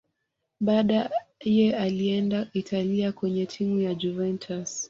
baadaye alienda italia kwenye timu ya juventus